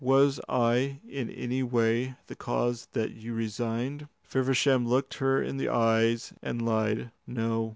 Was I in any way the cause that you resigned?" Feversham looked her in the eyes and lied: "No."